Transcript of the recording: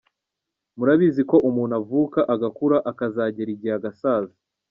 Murabizi ko umuntu avuka, agakura, akazagera igihe agasaza.